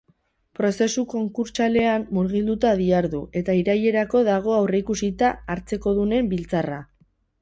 Prozesu konkurtsalean murgilduta dihardu eta irailerako dago aurreikusita hartzekodunen biltzarra.